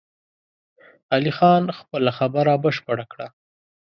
علي خان خپله خبره بشپړه کړه!